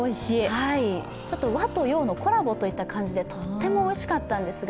和と洋のコラボといった感じで、とってもおいしかったんですが。